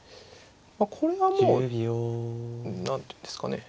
これはもう何ていうんですかね